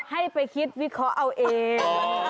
ให้ไปคิดวิเคราะห์เอาเอง